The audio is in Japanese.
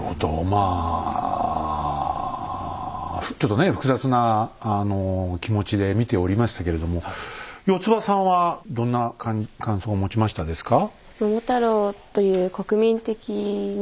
まあちょっとね複雑な気持ちで見ておりましたけれどもよつばさんはどんな感想を持ちましたですか？